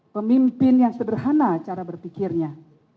pemimpin yang sederhana cara berpikirnya